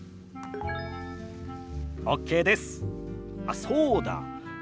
あっそうだ。